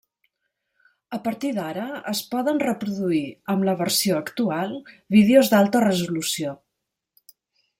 A partir d'ara es poden reproduir, amb la versió actual, vídeos d'alta resolució.